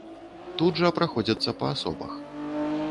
Тут жа праходзяцца па асобах.